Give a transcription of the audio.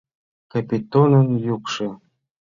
Капитонын йӱкшӧ.